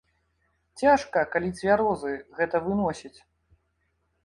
Цяжка, калі цвярозы, гэта выносіць.